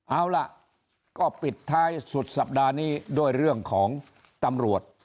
เอาล่ะก็ปิดท้ายสุดสัปดาห์นี้ด้วยเรื่องของตำรวจ